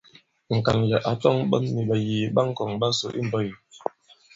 Ŋ̀kànlɛ̀ ǎ tɔ̄ŋ ɓɔ̌n nì ɓàyìì ɓa ŋ̀kɔ̀ŋ ɓasò imbɔ̄k yě.